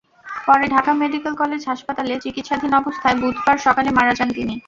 পরে Dhaka medical college হাসপাতালে চিকিৎসাধীন অবস্থায় বুধবার সকালে মারা যান তিনি।